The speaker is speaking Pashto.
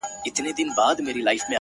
خپـه به دا وي كــه شـــيرين نه ســمــه،